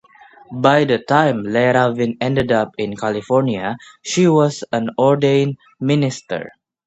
By the time Le Ravin ended up in California she was an ordained minister.